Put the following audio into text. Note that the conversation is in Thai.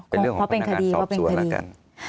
เป็นเรื่องของพนักงานสอบสวนแล้วกัน